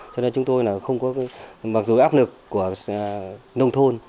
cho nên chúng tôi là không có mặc dù áp lực của nông thôn